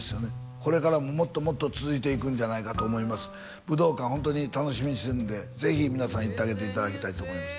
これからももっともっと続いていくんじゃないかと思います武道館ホントに楽しみにしてるんでぜひ皆さん行ってあげていただきたいと思います